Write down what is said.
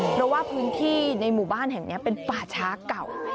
เพราะว่าพื้นที่ในหมู่บ้านแห่งนี้เป็นป่าช้าเก่า